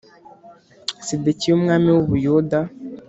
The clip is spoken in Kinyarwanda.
Sedekiya umwami w u Buyuda